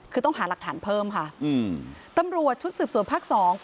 คือต้องหาหลักฐานเพิ่มตำรวจชุดสื่อส่วนกฎพ๒